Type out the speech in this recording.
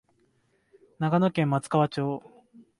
長野県松川町